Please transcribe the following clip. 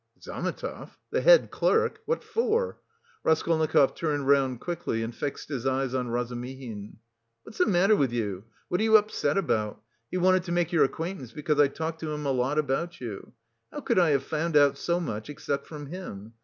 "Zametov? The head clerk? What for?" Raskolnikov turned round quickly and fixed his eyes on Razumihin. "What's the matter with you?... What are you upset about? He wanted to make your acquaintance because I talked to him a lot about you.... How could I have found out so much except from him?